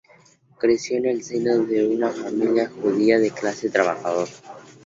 Creció en el seno de una familia judía de clase trabajadora.